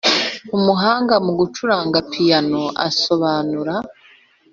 Umuhanga mu gucuranga piyano asobanura